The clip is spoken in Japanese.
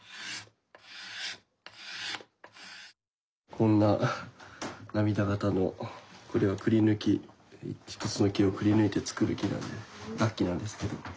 こんな涙形のこれはくりぬきひとつの木をくりぬいて作る楽器なんですけど。